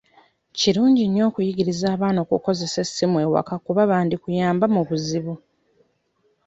Kirungi nnyo okuyigiriza abaana okukozesa essimu ewaka kuba bandikuyamba mu buzibu.